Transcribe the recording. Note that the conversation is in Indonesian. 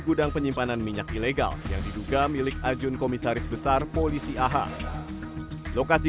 gudang penyimpanan minyak ilegal yang diduga milik ajun komisaris besar polisi ah lokasi